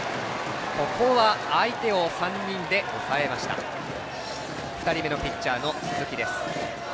相手を３人で抑えました２人目のピッチャーの鈴木です。